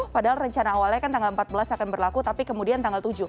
padahal rencana awalnya kan tanggal empat belas akan berlaku tapi kemudian tanggal tujuh